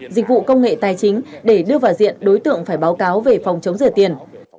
dịch vụ công nghệ tài chính để đưa vào diện đối tượng phải báo cáo về phòng chống rửa tiền